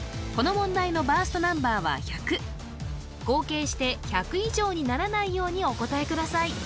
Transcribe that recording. この問題のバーストナンバーは１００合計して１００以上にならないようにお答えください